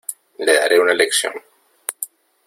Le daré una lección.